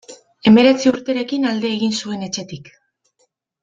Hemeretzi urterekin alde egin zuen etxetik.